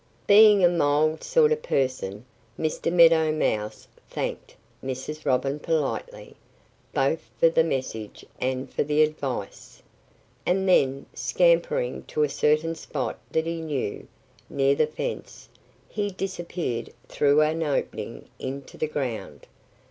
Being a mild sort of person, Mr. Meadow Mouse thanked Mrs. Robin politely, both for the message and for the advice. And then, scampering to a certain spot that he knew, near the fence, he disappeared through an opening into the ground.